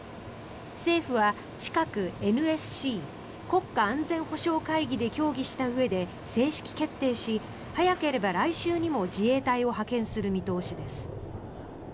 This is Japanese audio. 政府は近くＮＳＣ・国家安全保障会議で協議したうえで正式決定し早ければ来週にも自衛隊を派遣する見通しです。